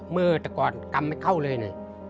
เมื่อแต่ก่อนกรรมไม่เข้าเลยนะ